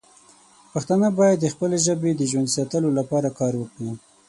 پښتانه باید د خپلې ژبې د ژوندی ساتلو لپاره کار وکړي.